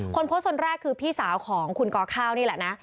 คนโพสต์คนแรกคือพี่สาวของคุณกข้าวนี่แหละนะ